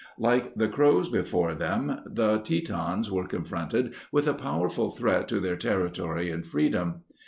Like the Crows before them, the Tetons were confronted with a powerful threat to their territory and freedom.